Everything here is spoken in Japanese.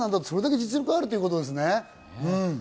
それだけ実力があるということですね。